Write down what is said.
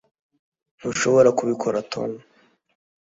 ntushobora kubikorera tom